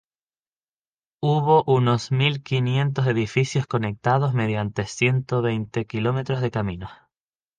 Hubo unos mil quinientos edificios conectados mediante ciento veinte km de caminos.